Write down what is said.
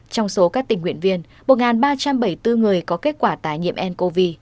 trong số các tình nguyện viên một ba trăm bảy mươi bốn người có kết quả tài nhiễm ncov